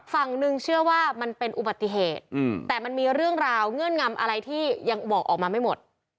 ฝั่งหนึ่งเชื่อว่ามันเป็นอุบัติเหตุแต่มันมีเรื่องราวเงื่อนงำอะไรที่ยังบอกออกมาไม่หมด